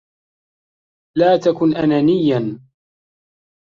لا تكن أنانيّاً!